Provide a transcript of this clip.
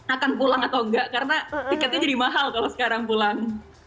akan pulang atau enggak karena tiketnya jadi mahal kalau sekarang pulang